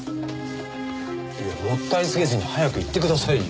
いやもったいつけずに早く言ってくださいよ。